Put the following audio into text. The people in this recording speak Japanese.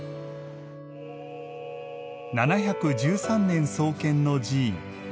７１３年創建の寺院。